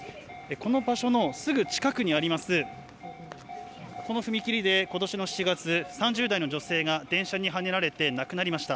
この場所のすぐ近くにあります、この踏切でことしの７月、３０代の女性が電車にはねられて亡くなりました。